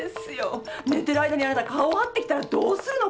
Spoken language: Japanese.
寝てる間にあなた顔をはってきたらどうするのこれ？